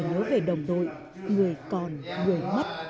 nhớ về đồng đội người còn người mất